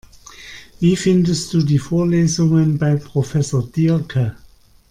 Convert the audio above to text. Wie findest du die Vorlesungen bei Professor Diercke?